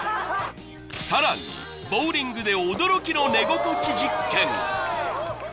さらにボウリングで驚きの寝心地実験